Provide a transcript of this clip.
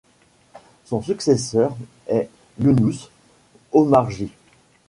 Son successeur est Younous Omarjee.